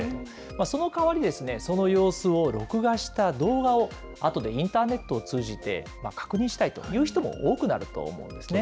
そのかわりですね、その様子を録画した動画を、あとでインターネットを通じて確認したいという人も多くなると思うんですね。